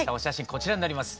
こちらになります。